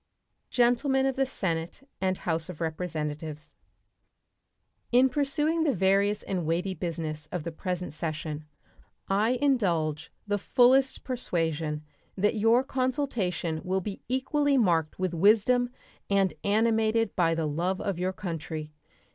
Gentlemen of the Senate and House of Representatives: In pursuing the various and weighty business of the present session I indulge the fullest persuasion that your consultation will be equally marked with wisdom and animated by the love of your country.